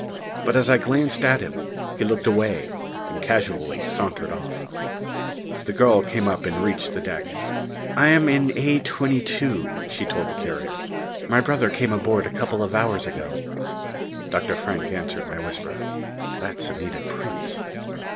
But as I glanced at him, he looked away and casually sauntered off. The girl came up and reached the deck. "I am in A22," she told the carrier. "My brother came aboard a couple of hours ago." Dr. Frank answered my whisper. "That's Anita Prince."